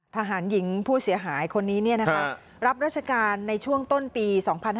ทหารหญิงผู้เสียหายคนนี้รับราชการในช่วงต้นปี๒๕๕๙